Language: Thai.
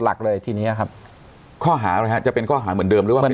หลักเลยทีนี้ครับข้อหาจะเป็นข้อหาเหมือนเดิมหรือเหมือน